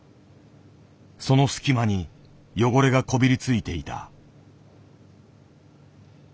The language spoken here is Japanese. その隙間に汚れがこびりついていた。